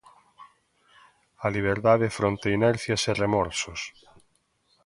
A liberdade fronte inercias e remorsos.